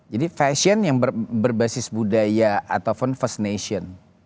jadi fashion yang berbasis budaya ataupun fascination